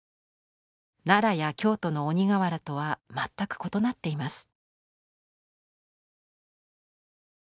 奈良や京都の鬼瓦とは全く異なっています。